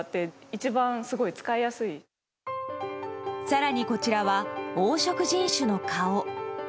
更に、こちらは黄色人種の顔。